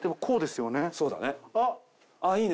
そうだね。